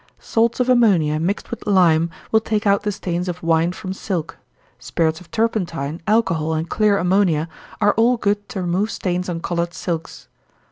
_ Salts of ammonia, mixed with lime, will take out the stains of wine from silk. Spirits of turpentine, alcohol, and clear ammonia, are all good to remove stains on colored silks.